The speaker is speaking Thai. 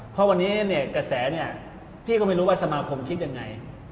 เพราะวันนี้เนี่ยกระแสเนี่ยพี่ก็ไม่รู้ว่าสมาคมคิดยังไง